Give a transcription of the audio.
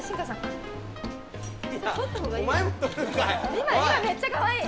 今めっちゃかわいい！